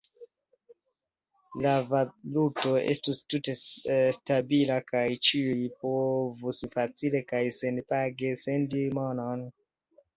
La valuto estus tute stabila kaj ĉiuj povus facile kaj senpage sendi monon.